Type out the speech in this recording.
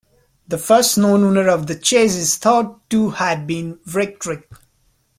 The first known owner of the chase is thought to have been Brictric.